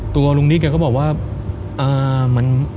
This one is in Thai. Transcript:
ตัวลุงนิดก็บอกว่า